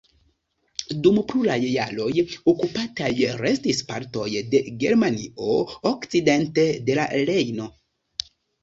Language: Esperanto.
Dum pluraj jaroj okupataj restis partoj de Germanio okcidente de la Rejno.